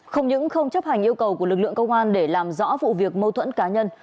không những không chấp hành yêu cầu của lực lượng công an để làm rõ vụ việc mâu thuẫn cá nhân